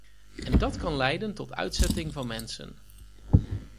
En dat kan leiden tot uitzetting van mensen.